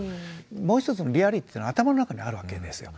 もう一つのリアリティーっていうのは頭の中にあるわけですよ。